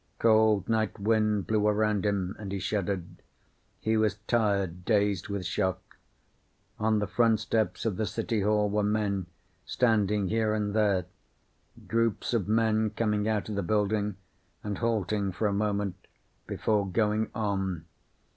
Cold night wind blew around him and he shuddered. He was tired, dazed with shock. On the front steps of the City Hall were men, standing here and there. Groups of men coming out of the building and halting for a moment before going on.